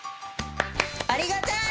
ありがたい！